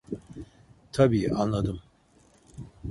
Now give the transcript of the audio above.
Tabii, anladım.